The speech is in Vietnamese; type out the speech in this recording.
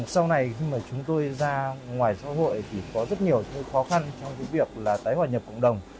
sau này khi chúng tôi ra ngoài xã hội thì có rất nhiều khó khăn trong việc tái hoạt nhập cộng đồng